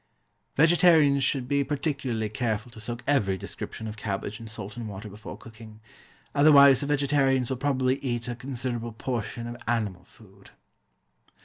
Vegetarians should be particularly careful to soak every description of cabbage in salt and water before cooking. Otherwise the vegetarians will probably eat a considerable portion of animal food.